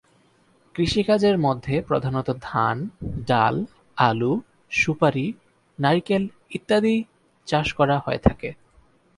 কৃষি কাজের মধ্যে প্রধানত ধান, ডাল, আলু, সুপারি, নারকেল ইত্যাদির চাষ করা হয়ে থাকে।